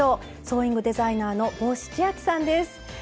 ソーイングデザイナーの帽子千秋さんです。